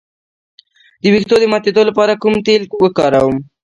د ویښتو د ماتیدو لپاره کوم تېل وکاروم؟